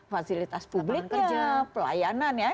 fasilitas publiknya pelayanan ya